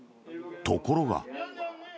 ところが。